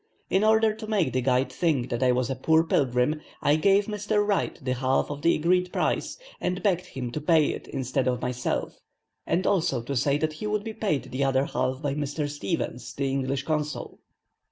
In order to make the guide think that I was a poor pilgrim, I gave Mr. Wright the half of the agreed price, and begged him to pay it instead of myself, and also to say that he would be paid the other half by Mr. Stevens, the English consul.